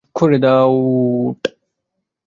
মাফ করে দাও।